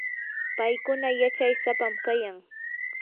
paykuna yachay sapam kayan.